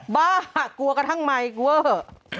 บ้ากลัวกระทั่งไม่กลัวเหอะ